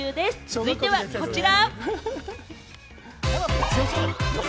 続いてはこちら！